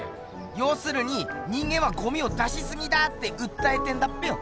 ようするに人間はゴミを出しすぎだってうったえてんだっぺよ。